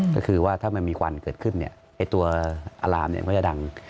ก็คือว่าถ้ามันมีกวนเกิดขึ้นตัวอารามก็จะดัง